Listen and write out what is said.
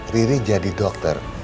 riri jadi dokter